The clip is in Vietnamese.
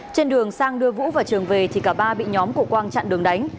trên đường sang đưa vũ và trường về thì cả ba bị nhóm của quang chặn đường đánh